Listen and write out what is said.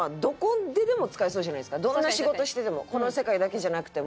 どんな仕事しててもこの世界だけじゃなくても。